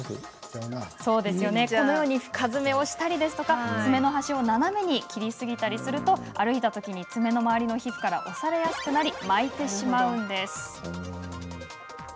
このように深爪をしたり爪の端を斜めに切りすぎると歩いたときに爪が周りの皮膚から押されやすくなり巻いてしまうんです。